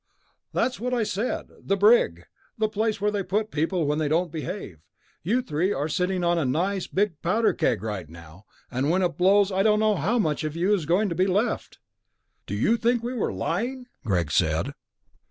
"That's what I said. The brig. The place they put people when they don't behave. You three are sitting on a nice, big powder keg right now, and when it blows I don't know how much of you is going to be left." "Do you think we're lying?" Greg said.